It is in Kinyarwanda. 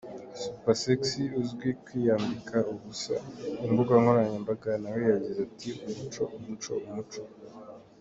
supersexy uzwi kwiyambika ubusa ku mbuga nkoranyambaga nawe yagize ati “Umuco umuco umuco.